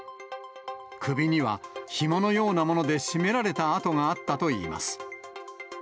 首にはひものようなもので絞められた痕があったといいます。